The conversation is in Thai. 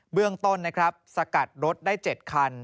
เบื้องต้นสกัดรถได้๗คัน